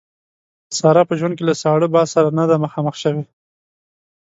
ساره په ژوند کې له ساړه باد سره نه ده مخامخ شوې.